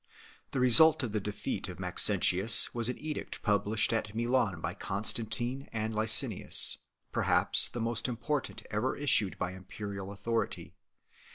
The result of the defeat of Maxentius was an edict published at Milan by Constantine and Licinius 2 , perhaps the most important ever issued by imperial authority.